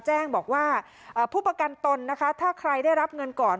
แจ้งบอกว่าผู้ประกันตนนะคะถ้าใครได้รับเงินก่อน